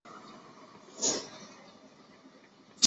罗德里格斯茜草目前被列为极危物种。